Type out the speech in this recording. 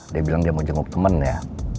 dia bilang dia mau jenguk temennya